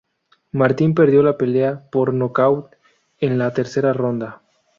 Martin perdió la pelea por nocaut en la tercera ronda.